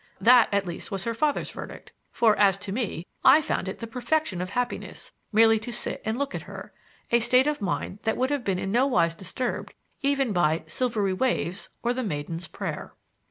That, at least, was her father's verdict; for, as to me, I found it the perfection of happiness merely to sit and look at her a state of mind that would have been in no wise disturbed even by "Silvery Waves" or "The Maiden's Prayer."